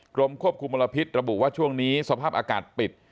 กรมควบคุมมลพิษระบุว่าช่วงนี้สภาพอากาศปิด